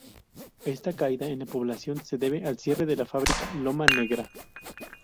Esta caída en la población se debe al cierre de la fábrica "Loma Negra".